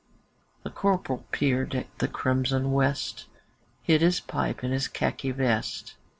The Corporal peered at the crimson West, Hid his pipe in his khaki vest.